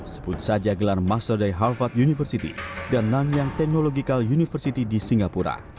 sebut saja gelar massa dari harvard university dan nanyang technological university di singapura